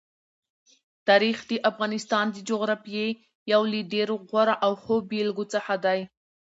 تاریخ د افغانستان د جغرافیې یو له ډېرو غوره او ښو بېلګو څخه دی.